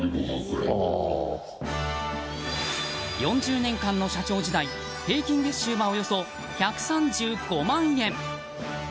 ４０年間の社長時代平均月収は、およそ１３５万円。